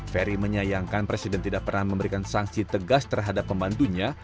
ferry menyayangkan presiden tidak pernah memberikan sanksi tegas terhadap pembantunya